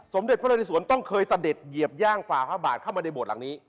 สมเด็จพระราชิสวนต้องเคยเสด็จเหยียบย่างฝ่าพระบาทเข้ามาในโบสถหลังนี้